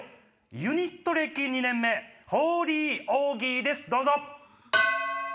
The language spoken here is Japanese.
ユニット歴２年目ホーリーオーギーですどうぞ。